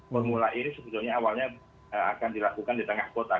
formula e ini sebetulnya awalnya akan dilakukan di tengah kota